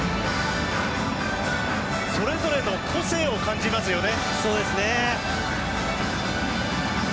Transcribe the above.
それぞれの個性を感じますよね。